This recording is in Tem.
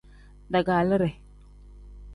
Daagaliide.